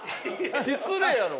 失礼やろ。